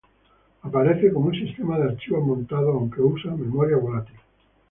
Aparece como un sistema de archivos montado aunque usa memoria volátil.